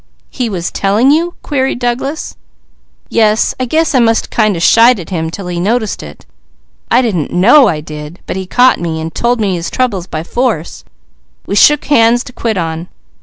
"He was telling you?" queried Douglas. "Yes. I guess I must kind of shied at him 'til he noticed it; I didn't know I did, but he caught me and told me his troubles by force. We shook hands to quit on.